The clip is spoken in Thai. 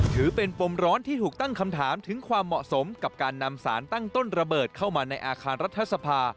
ถือเป็นปมร้อนที่ถูกตั้งคำถามถึงความเหมาะสมกับการนำสารตั้งต้นระเบิดเข้ามาในอาคารรัฐสภา